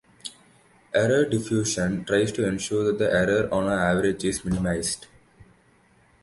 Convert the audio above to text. Error diffusion tries to ensure the error on average is minimized.